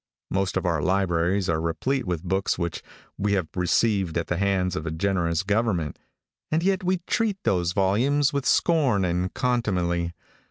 Most of our libraries are replete with books which we have received at the hands of a generous government, and yet we treat those volumes with scorn and contumely.